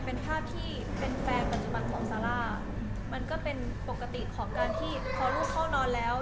เป็นภาพที่เป็นแฟนปัจจุบันของซาร่ามันก็เป็นปกติของการที่พอลูกเข้านอนแล้ว